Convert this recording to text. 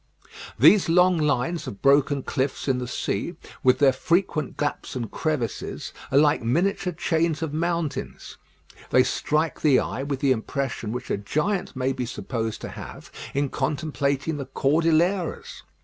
These long lines of broken cliffs in the sea, with their frequent gaps and crevices, are like miniature chains of mountains. They strike the eye with the impression which a giant may be supposed to have in contemplating the Cordilleras.